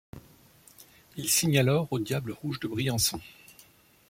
Il signe alors aux Diables rouges de Briançon.